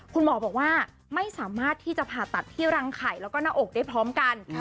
คุณหมอบอกว่าไม่สามารถที่จะผ่าตัดที่รังไข่แล้วก็หน้าอกได้พร้อมกัน